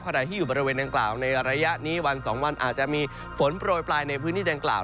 ใครที่อยู่บริเวณดังกล่าวในระยะนี้วัน๒วันอาจจะมีฝนโปรยปลายในพื้นที่ดังกล่าว